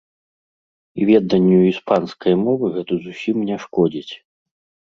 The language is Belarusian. І веданню іспанскай мовы гэта зусім не шкодзіць!